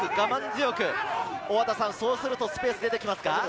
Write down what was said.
そうするとスペースが出てきますか？